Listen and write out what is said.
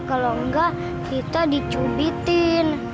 kalau enggak kita dicubitin